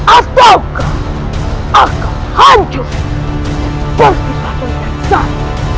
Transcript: ataukah akan hancur seperti patung tersang